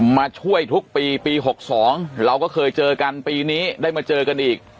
มาช่วยทุกปีปี๖๒เราก็เคยเจอกันปีนี้ได้มาเจอกันอีก